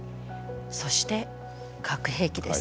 そして核兵器です。